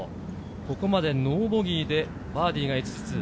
ここまでノーボギーでバーディー５つ。